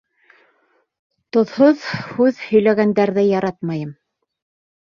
Тоҙһоҙ һүҙ һөйләгәндәрҙе яратмайым.